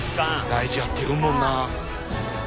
大事やって言うもんな。